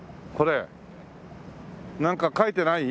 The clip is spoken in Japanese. なんか書いてない？